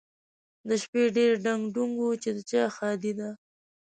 د شپې ډېر ډنګ ډونګ و چې د چا ښادي ده؟